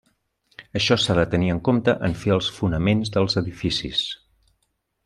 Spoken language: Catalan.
Això s’ha de tenir en compte en fer els fonaments dels edificis.